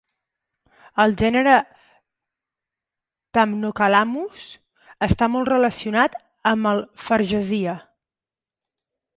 El gènere "thamnocalamus" està molt relacionat amb el "fargesia".